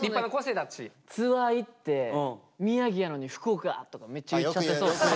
それこそツアー行って宮城やのに「福岡！」とかめっちゃ言っちゃってそうっすね。